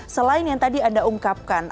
selain yang tadi anda ungkapkan